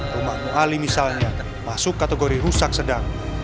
rumah mu'alim misalnya masuk kategori rusak sedang